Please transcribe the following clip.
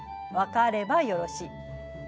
分かればよろしい。